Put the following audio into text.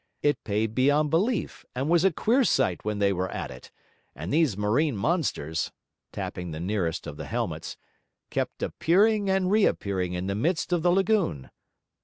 It paid beyond belief, and was a queer sight when they were at it, and these marine monsters' tapping the nearest of the helmets 'kept appearing and reappearing in the midst of the lagoon.